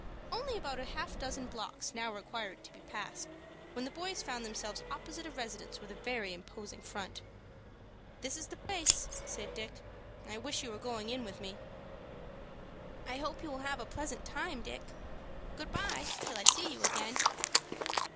Only about half a dozen blocks now required to be passed, when the boys found themselves opposite a residence with a very imposing front. "This is the place," said Dick. "I wish you were going in with me." "I hope you will have a pleasant time, Dick. Good by till I see you again."